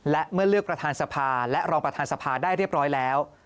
และเมื่อเลือกประธานสภาและรองประธานสภาได้เรียบร้อยแล้ว